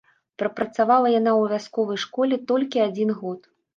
Прапрацавала яна ў вясковай школе толькі адзін год.